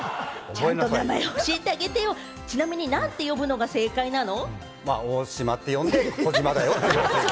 ちゃんと名前を教えてあげて。なんて呼ぶのが正解なの？